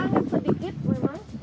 sangat sedikit memang